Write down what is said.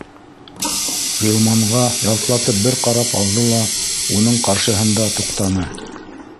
Ғилманға ялтлатып бер ҡарап алды ла уның ҡаршыһында туҡтаны: